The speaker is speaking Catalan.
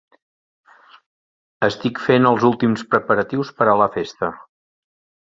Estic fent els últims preparatius per a la festa.